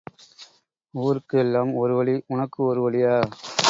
ஊருக்கு எல்லாம் ஒரு வழி உனக்கு ஒரு வழியா?